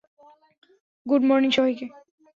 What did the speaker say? Good morning, সবাইকে!